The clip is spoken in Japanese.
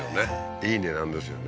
いい値段ですよね